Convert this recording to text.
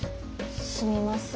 すみません。